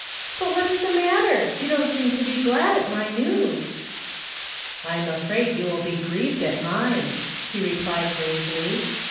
But what is the matter? You don't seem to be glad at my news." "I am afraid you will be grieved at mine," he replied gravely.